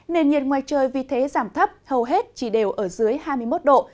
nền nhiệt ngoài trời vì thế giảm thấp hầu hết chỉ đều ở dưới hai mươi một độ